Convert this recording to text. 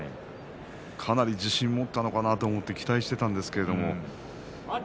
かなり自信を持ったのかなと思って期待を持っていったんですけど。